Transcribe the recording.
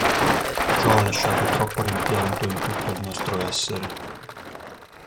Ciò ha lasciato troppo rimpianto in tutto il nostro essere.